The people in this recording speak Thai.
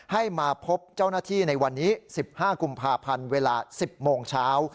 ให้มาพบเจ้าหน้าที่ในวันนี้๑๕กุมภาพันธ์เวลา๑๐โมงเช้า